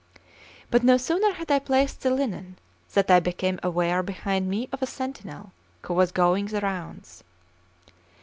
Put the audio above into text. But no sooner had I placed the linen, than I became aware behind me of a sentinel, who was going the rounds.